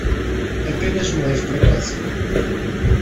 Apenas me leve pra casa.